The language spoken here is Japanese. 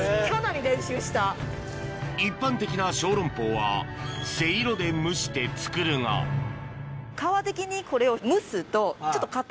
一般的な小籠包はせいろで蒸して作るがえぇ！